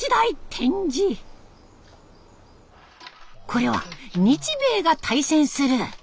これは日米が対戦する。